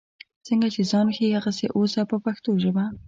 څنګه چې ځان ښیې هغسې اوسه په پښتو ژبه.